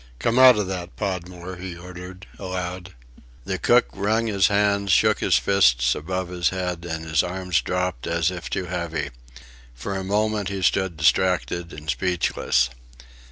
"Come out of that, Podmore," he ordered, aloud. The cook wrung his hands, shook his fists above his head, and his arms dropped as if too heavy. For a moment he stood distracted and speechless.